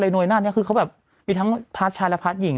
หน่วยหน้านี้คือเขาแบบมีทั้งพาร์ทชายและพาร์ทหญิง